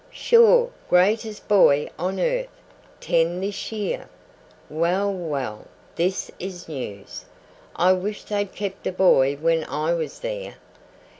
"Sure; greatest boy on earth. Ten this year." "Well, well, this is news! I wish they'd kept a boy when I was there."